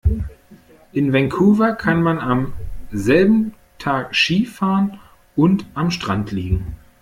In Vancouver kann man am selben Tag Ski fahren und am Strand liegen.